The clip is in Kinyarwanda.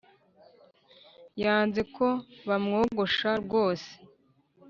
Yanze ko bamwogosha rwose